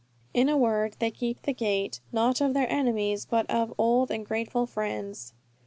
In a word, they keep the gate, not of their enemies, but of old and grateful friends.